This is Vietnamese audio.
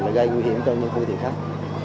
là gây nguy hiểm cho những phương tiện khác